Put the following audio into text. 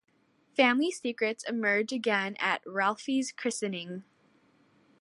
Family secrets emerge again at Ralfie's christening.